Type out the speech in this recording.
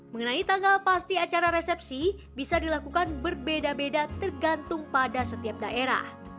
mengenai tanggal pasti acara resepsi bisa dilakukan berbeda beda tergantung pada setiap daerah